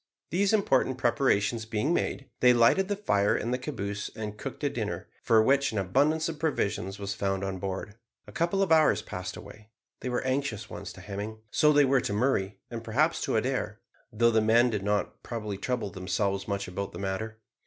These important preparations being made, they lighted the fire in the caboose and cooked a dinner, for which an abundance of provisions was found on board. A couple of hours passed away. They were anxious ones to Hemming so they were to Murray, and perhaps to Adair, though the men did not probably trouble themselves much about the matter.